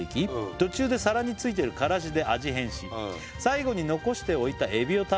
「途中で皿に付いているからしで味変し」「最後に残しておいたエビを食べるのが」